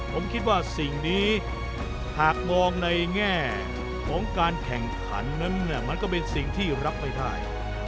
ผมคิดว่าสิ่งนี้หากมองในแง่ของการแข่งขันนั้นมันก็เป็นสิ่งที่รับไม่ได้